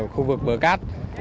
khu vực bờ cát